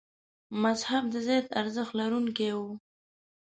مذهب د زیات ارزښت لرونکي و.